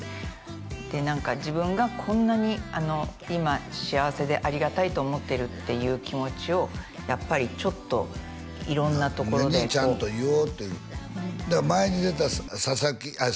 で何か自分がこんなに今幸せでありがたいと思ってるっていう気持ちをやっぱりちょっと色んなところでこうみんなにちゃんと言おうという前に出た佐々木あっ